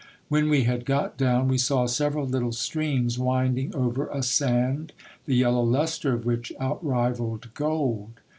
When we had got down, we saw several little streams winding over a sand, the yellow lustre of which outrivalled gold.